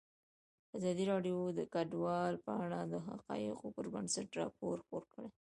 ازادي راډیو د کډوال په اړه د حقایقو پر بنسټ راپور خپور کړی.